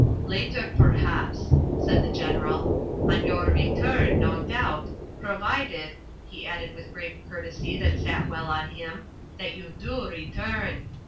"Later, perhaps," said the General. "On your return, no doubt, provided," he added with grave courtesy that sat well on him, "that you do return.